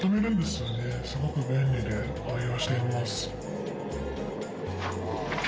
すごく便利で愛用してます。